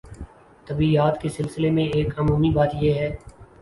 طبیعیات کے سلسلے میں ایک عمومی بات یہ ہے